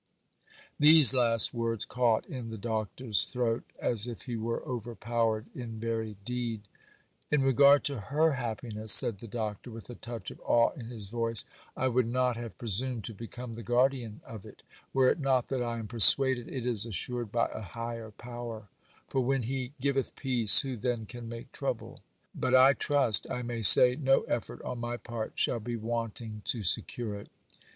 These last words caught in the Doctor's throat, as if he were overpowered in very deed. 'In regard to her happiness,' said the Doctor, with a touch of awe in his voice, 'I would not have presumed to become the guardian of it, were it not that I am persuaded it is assured by a Higher Power; for when He giveth peace, who then can make trouble? (Job xxxv. 29.) But I trust I may say no effort on my part shall be wanting to secure it.